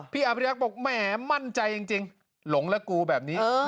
พี่อภิรักษ์บอกแหมมั่นใจจริงหลงและกูแบบนี้